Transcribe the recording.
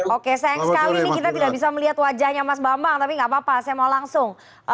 oke sayang sekali ini kita tidak bisa melihat wajahnya mas bambang tapi nggak apa apa saya mau langsung